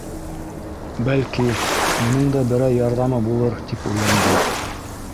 Бәлки, уның да берәй ярҙамы булыр, тип уйланды.